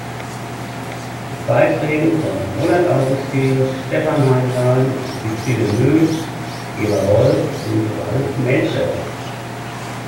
Mit Beiträgen von Roland Augustin, Stefan Heinlein, Sibylle Nöth, Eva Wolf und Ralph Melcher.